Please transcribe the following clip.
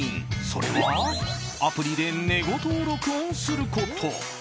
それはアプリで寝言を録音すること。